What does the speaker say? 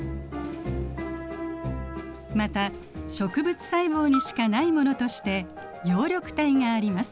また植物細胞にしかないものとして葉緑体があります。